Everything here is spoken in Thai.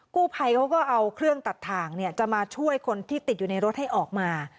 กู้ภัยเขาก็เอาเครื่องตัดถ่างจะมาช่วยคนที่ติดอยู่ในรถให้ออกมา